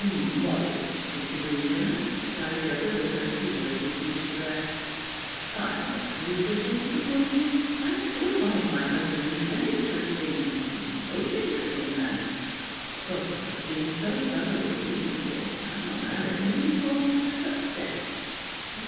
"Moderate disillusion," replied the other, with her humorously judicial air. "I am not grievously disappointed. I still find my husband an interesting a most interesting man. Both of us being so thoroughly reasonable, our marriage may be called a success."